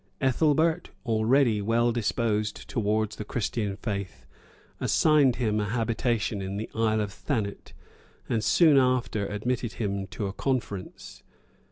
Ethelbert, already well disposed towards the Christian faith, assigned him a habitation in the Isle of Thanet, and soon after admitted him to a conference.